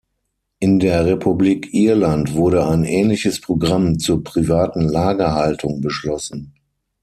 In der Republik Irland wurde ein ähnliches Programm zur privaten Lagerhaltung beschlossen.